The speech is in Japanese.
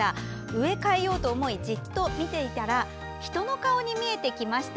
植え替えようと思いじっと見ていたら人の顔に見えてきました。